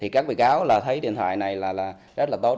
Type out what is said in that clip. các bị cáo thấy điện thoại này rất là tốt